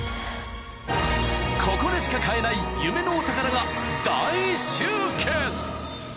［ここでしか買えない夢のお宝が大集結］